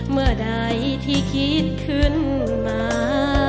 เมื่อใดที่คิดขึ้นมา